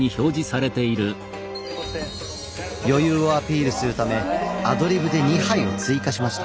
余裕をアピールするためアドリブで２杯を追加しました。